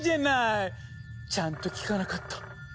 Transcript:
ちゃんと聞かなかった。